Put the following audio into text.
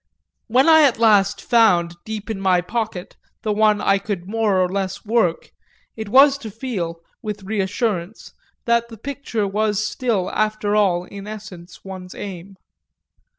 When I at last found deep in my pocket the one I could more or less work, it was to feel, with reassurance, that the picture was still after all in essence one's aim.